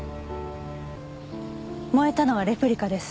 燃えたのはレプリカです。